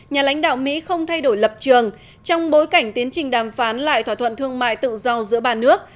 nhà lãnh đạo mỹ không thay đổi lập trường trong bối cảnh tiến trình đàm phán lại thỏa thuận thương mại tự do giữa ba nước